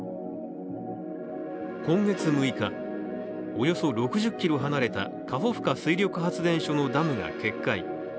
今月６日、およそ６０ｋｍ離れたカホフカ水力発電所のダムが決壊。